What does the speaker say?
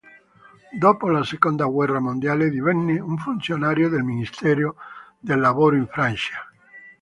Dopo la Seconda guerra mondiale divenne un funzionario del Ministero del Lavoro in Francia.